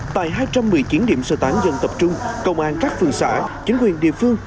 tại hai trăm một mươi chín điểm sơ tán dân tập trung công an các phường xã chính quyền địa phương